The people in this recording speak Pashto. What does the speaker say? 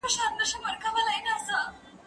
چايي د زهشوم له خوا څښل کيږي!.